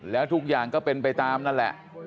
แล้วทุกอย่างก็เป็นไปตามนั่นแหละ